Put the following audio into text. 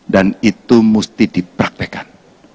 dan itu mesti dipraktekan